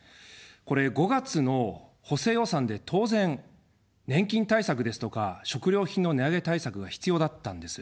これ、５月の補正予算で、当然、年金対策ですとか、食料品の値上げ対策が必要だったんです。